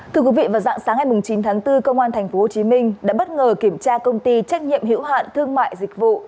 thưa quý vị vào dạng sáng ngày chín tháng bốn công an tp hcm đã bất ngờ kiểm tra công ty trách nhiệm hữu hạn thương mại dịch vụ